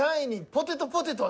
ポテト。